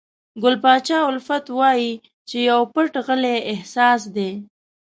ګل پاچا الفت وایي چې پو پټ غلی احساس دی.